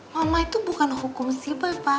mama itu bukan hukum sih boy pak